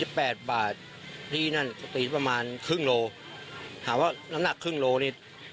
ยี่สิบแปดบาทที่นั่นปกติประมาณครึ่งโลถามว่าน้ำหนักครึ่งโลนิ